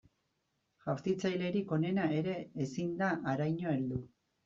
Jaurtitzailerik onena ere ezin da haraino heldu.